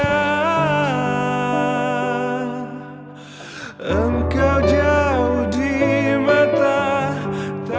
engkau jauh di mata